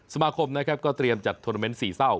สมาคมนะครับก็เตรียมจัดทวนาเมนต์สี่เศร้า